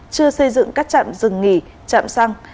chưa xây dựng các chạm dừng nghỉ chạm xăng